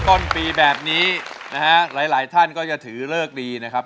ต้นปีแบบนี้นะฮะหลายหลายท่านก็จะถือเลิกดีนะครับ